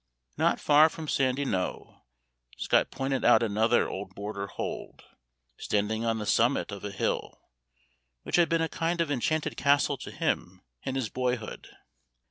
Not far from Sandy Knowe, Scott pointed out another old border hold, standing on the summit of a hill, which had been a kind of enchanted castle to him in his boyhood.